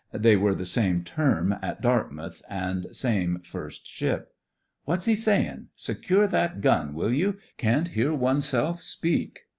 (They were the same term at Dartmouth, and same first ship.) "What's he sayin'? Secure that gun, will you.f^ 'Can't hear oneself speak."